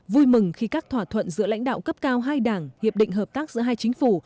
vui mừng khi các thỏa thuận giữa lãnh đạo cấp cao hai đảng hiệp định hợp tác giữa hai chính phủ